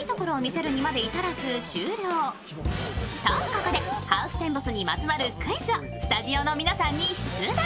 と、ここでハウステンボスにまつわるクイズをスタジオの皆さんに出題。